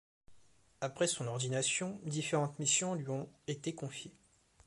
Après sont ordination, différentes missions lui ont été confiés.